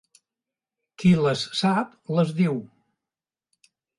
Qui les sap les diu.